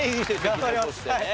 頑張りますはい。